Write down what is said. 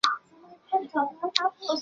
龟兹乐是古龟兹的音乐。